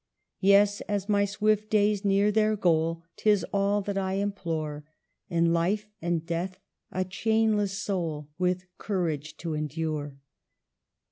" Yes, as my swift days near their goal, 'Tis all that I implore ; In life and death, a chainless soul, With courage to endure."